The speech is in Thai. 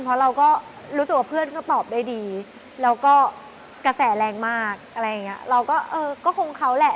เพราะเรารู้สึกว่าเพื่อนก็ตอบได้ดีแล้วก็กระแสแรงมากเราก็คงเขาแหละ